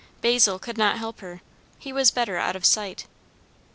Basil could not help her; he was better out of sight.